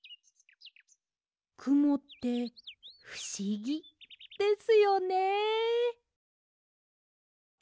くもってふしぎですよね。